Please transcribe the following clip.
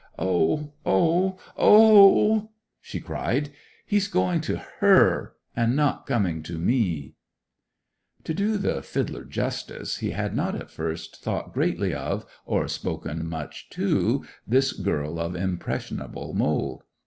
'Oh—oh—oh—!' she cried. 'He's going to her, and not coming to me!' To do the fiddler justice he had not at first thought greatly of, or spoken much to, this girl of impressionable mould.